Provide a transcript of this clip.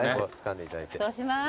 そうします。